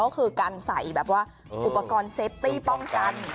ก็คือการใส่แบบว่าอุปกรณ์เซฟตี้ป้องกัน